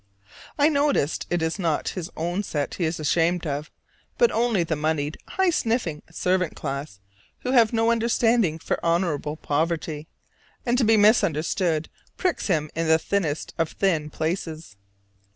I notice it is not his own set he is ashamed of, but only the moneyed, high sniffing servant class who have no understanding for honorable poverty: and to be misunderstood pricks him in the thinnest of thin places.